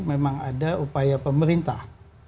memang ada upaya pemerintah